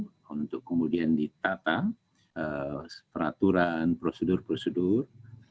harus ditunda dulu untuk kemudian ditata peraturan prosedur prosedur